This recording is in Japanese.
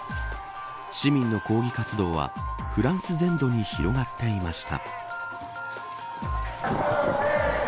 市民の抗議活動はフランス全土に広がっていました。